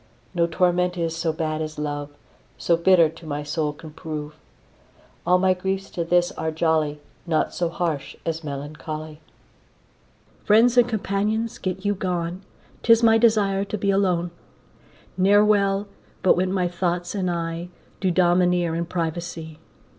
No torment is so bad as love, So bitter to my soul can prove. All my griefs to this are jolly, Naught so harsh as melancholy. Friends and companions get you gone, 'Tis my desire to be alone; Ne'er well but when my thoughts and I Do domineer in privacy.